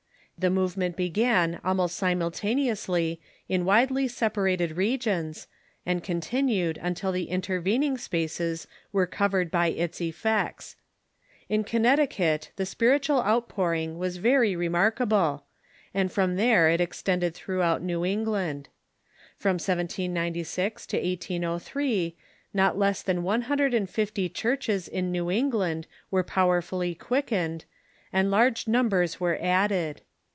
The movement began almost simultaneously in widely separated regions, and continued until the in ^^f ^aocT' tervening spaces were covered by its effects. In Con necticut the spiritual outpouring was very remark able, and from there it extended throughout New England. From 1796 to 1803 not less than one hundred and fifty church es in New England were powerfully quickened, and large num bers were added.